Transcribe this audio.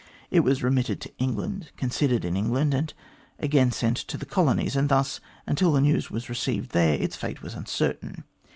It was remitted to England, considered in England, and again sent to the colonies ; and thus, until the news was received there, its fate was uncertain.